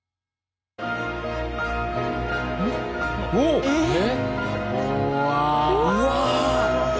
うわ！